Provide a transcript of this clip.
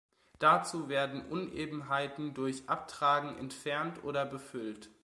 Dazu werden Unebenheiten durch Abtragen entfernt oder befüllt.